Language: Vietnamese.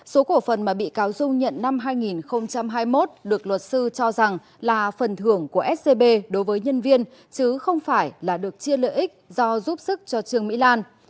số cổ phần mà bị cáo dung nhận năm hai nghìn hai mươi một được luật sư cho rằng là phần thưởng của scb đối với nhân viên chứ không phải là được chia lợi ích do giúp sức cho trương mỹ lan